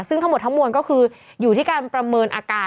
ซึ่งทั้งหมดทั้งมวลก็คืออยู่ที่การประเมินอาการ